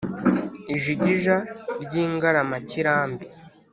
Ijigija ry'ingaramakirambi